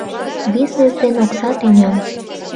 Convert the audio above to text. Бизнес ден окса тӱням.